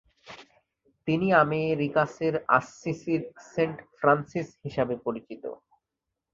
তিনি "আমেরিকাসের আসসিসির Saint Francis" হিসাবে পরিচিত।